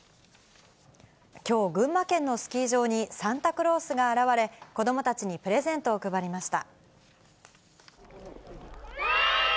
きょう、群馬県のスキー場に、サンタクロースが現れ、子どもたちにプレゼントを配りました。